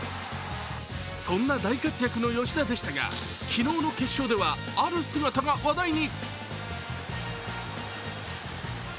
そんな大活躍の吉田でしたが、昨日の決勝ではある姿が話題に。